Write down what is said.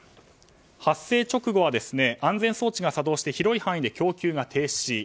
発生直後は安全装置が作動して広い範囲で供給が停止。